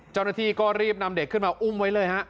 เจ้าหน้าที่ก็รีบนำเด็กขึ้นมาอุ้มไว้เลยฮะ